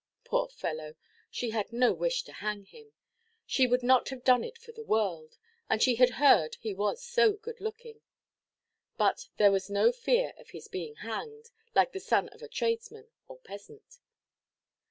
Poor fellow! She had no wish to hang him. She would not have done it for the world; and she had heard he was so good–looking. But there was no fear of his being hanged, like the son of a tradesman or peasant.